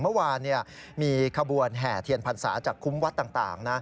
เมื่อวานมีขบวนแห่เทียนผัญษาจากคุมวัฒน์ต่าง